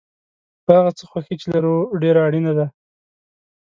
په هغه څه خوښي چې لرو ډېره اړینه ده.